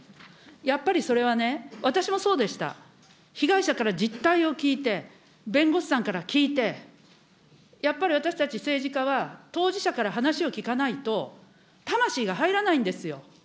やっぱりそれはね、私もそうでした、被害者から実態を聞いて、弁護士さんから聞いて、やっぱり私たち政治家は、当事者から話を聞かないと、魂が入らないんですよ。